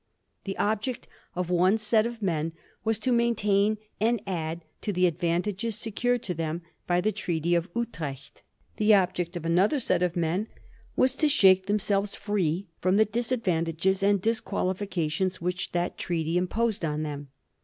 The object of one set of men was to maintain and add to the advantages secured to them by the Treaty of Utrecht ; the object of another set of men was to shake themselves free from the disadvantages and disqualifications which that treaty imposed on them.